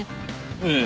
ええ。